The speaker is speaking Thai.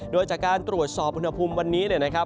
โดยจากการตรวจสอบอุณหภูมิวันนี้เนี่ยนะครับ